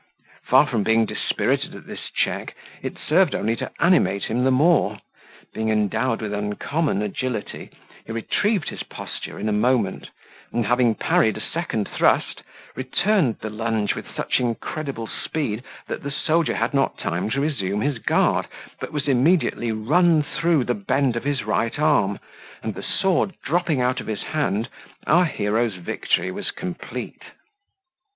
Far from being dispirited at this check, it served only to animate him the more; being endowed with uncommon agility, he retrieved his posture in a moment; and having parried a second thrust, returned the lunge with such incredible speed, that the soldier had not time to resume his guard, but was immediately run through the bend of his right arm; and the sword dropping out of his hand, our hero's victory was complete.